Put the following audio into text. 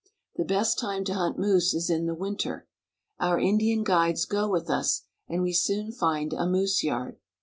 The best time to hunt moose is in the winter. Our In dian guides go with us, and we soon find a moose yard.